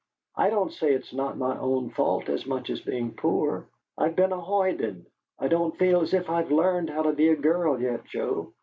I don't say it's not my own fault as much as being poor. I've been a hoyden; I don't feel as if I'd learned how to be a girl yet, Joe.